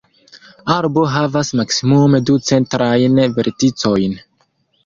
Arbo havas maksimume du centrajn verticojn.